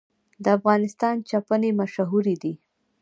د افغانستان چپنې مشهورې دي